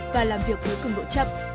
và làm việc với cường độ chậm